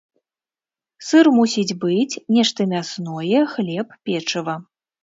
Сыр мусіць быць, нешта мясное, хлеб, печыва.